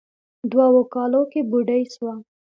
دوو کالو کې بوډۍ سوه.